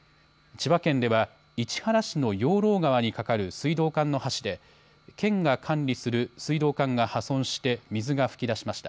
千葉県では市原市の養老川に架かる水道管の橋で県が管理する水道管が破損して水が噴き出しました。